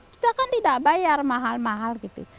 kita kan tidak bayar mahal mahal gitu